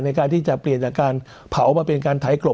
ในการที่จะเปลี่ยนจากการเผามาเป็นการไถกรบ